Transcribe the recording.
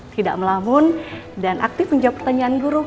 tidak melamun dan aktif menjawab pertanyaan buruh